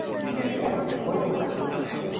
过着美好的生活。